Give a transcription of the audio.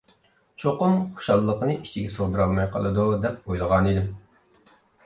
چوقۇم خۇشاللىقىنى ئىچىگە سىغدۇرالماي قالىدۇ دەپ ئويلىغان ئىدىم.